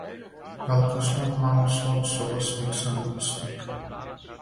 Велико слово, мало слово, сугласник, самогласник.